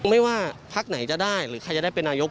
ไม่ว่าพักไหนจะได้หรือใครจะได้เป็นนายก